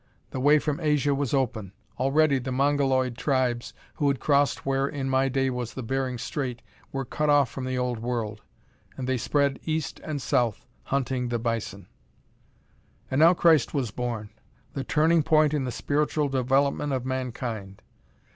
The way from Asia was open. Already the Mongoloid tribes, who had crossed where in my day was the Bering Strait, were cut off from the Old World. And they spread east and south, hunting the bison. And now Christ was born. The turning point in the spiritual development of mankind....